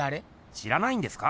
知らないんですか？